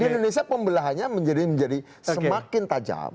di indonesia pembelahannya menjadi semakin tajam